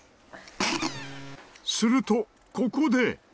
するとここで。